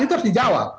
itu harus dijawab